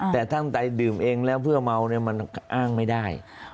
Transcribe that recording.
แต่ตั้งแต่ดื่มเองแล้วเพื่อเมามันอ้างไม่ได้